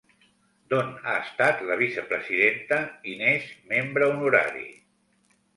D'on ha estat la vicepresidenta i n'és membre honorari.